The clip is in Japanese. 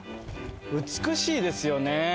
美しいですよね。